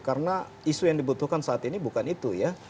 karena isu yang dibutuhkan saat ini bukan itu ya